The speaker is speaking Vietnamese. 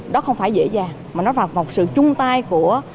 đó không phải dễ dàng mà nó là một sự chung tay của